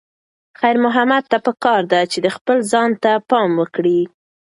خیر محمد ته پکار ده چې خپل ځان ته پام وکړي.